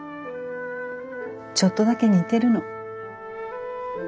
ちょっとだけ似てるの。